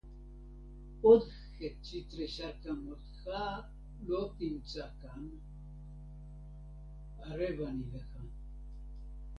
עוד חצי תריסר כמותך לא תמצא כאן, ערב אני לך.